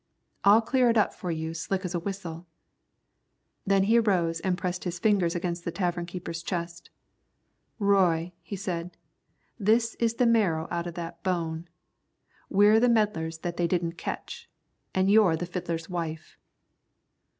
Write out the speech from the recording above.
"I'll clear it all up for you slick as a whistle." Then he arose and pressed his fingers against the tavern keeper's chest. "Roy," he said, "this is the marrow out of that bone. We're the meddlers that they didn't ketch, an' you're the fiddler's wife."